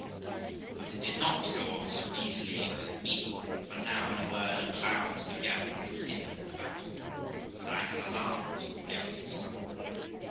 But it did not go off so easily with me, for now, in a word, the clouds began to thicken about me, and I had alarms on every side.